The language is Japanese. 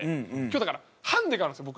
今日だからハンデがあるんですよ